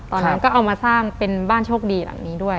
ตอนนั้นก็เอามาสร้างเป็นบ้านโชคดีหลังนี้ด้วย